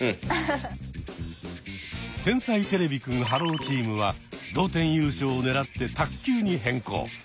天才てれびくんｈｅｌｌｏ，チームは同点優勝を狙って卓球に変更。